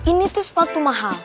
ini tuh sepatu mahal